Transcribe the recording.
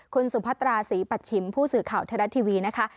คุณสุพธธราษีปัชชิมผู้สื่อข่าวธรรดิ์ทีวีนะคะ